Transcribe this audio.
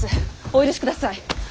お許しください。